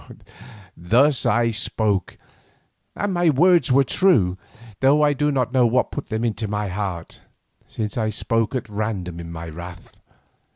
Thus I spoke, and my words were true, though I do not know what put them into my heart, since I spoke at random in my wrath.